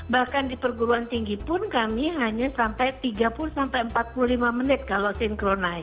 bahkan di perguruan tinggi pun kami hanya sampai tiga puluh sampai empat puluh lima menit kalau sinkron naik